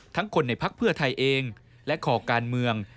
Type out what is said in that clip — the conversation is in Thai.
คนในพักเพื่อไทยเองและขอการเมือง